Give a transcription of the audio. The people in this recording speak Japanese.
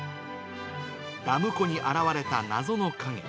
ダム湖に現れた謎の影。